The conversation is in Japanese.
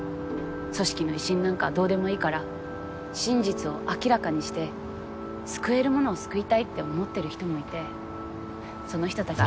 組織の威信なんかどうでもいいから真実を明らかにして救える者を救いたいって思ってる人もいてその人たちが。